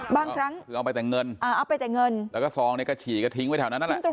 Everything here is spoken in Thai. ทิ้งตรงนั้นเลยนะคะ